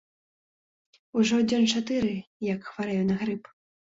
Ужо дзён чатыры, як хварэю на грып.